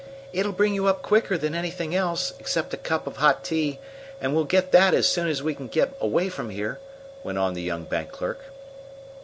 "It'll bring you up quicker than anything else, except a cup of hot tea, and we'll get that as soon as you can get away from here," went on the young bank clerk.